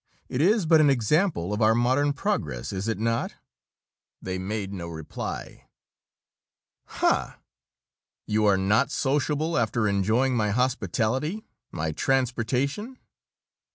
It is but an example of our modern progress, is it not?" They made no reply. "Ha! You are not sociable, after enjoying my hospitality, my transportation?